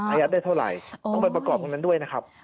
ยัดได้เท่าไหร่ต้องไปประกอบตรงนั้นด้วยนะครับ